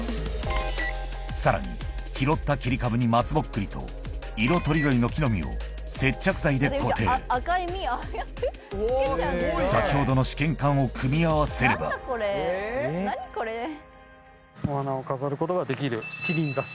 さらに拾った切り株に松ぼっくりと色とりどりの木の実を接着剤で固定先ほどの試験管を組み合わせればお花を飾ることができる一輪挿し。